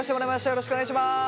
よろしくお願いします。